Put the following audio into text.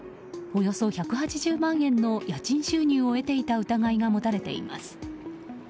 およそ１８０万円の家賃収入を得ていた疑いが持たれています。